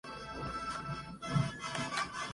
Se han publicado varias revisiones.